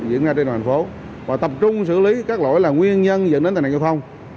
diễn ra trên thành phố và tập trung xử lý các lỗi là nguyên nhân dẫn đến tai nạn giao thông